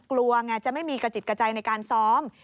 กลัวไงจะไม่มีกระจิตกระใจในการซ้อม